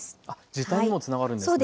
時短にもつながるんですね。